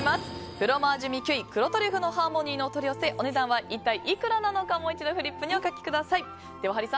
フロマージュ・ミ・キュイ黒トリュフのハーモニーのお取り寄せお値段は一体いくらなのかもう一度フリップにお書きください。